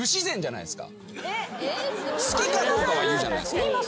好きかどうかは言うじゃないですか。